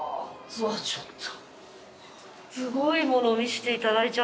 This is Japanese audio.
うわっちょっと。